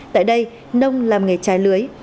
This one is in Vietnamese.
tại đây nông làm nghề trái lưới